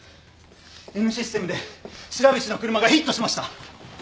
Ｎシステムで白菱の車がヒットしました。